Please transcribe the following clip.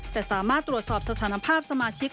แต่สามารถตรวจสอบสถานภาพสมาชิก